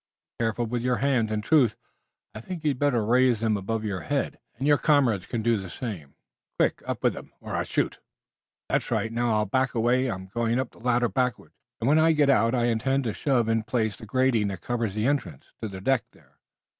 Be careful with your hands. In truth, I think you'd better raise them above your head, and your comrades can do the same. Quick, up with them, or I shoot! That's right. Now, I'll back away. I'm going up the ladder backward, and when I go out I intend to shove in place the grating that covers the entrance to the deck there.